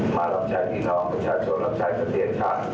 มารับใช้พี่น้องประชาชนรับใช้ทะเบียนชาติ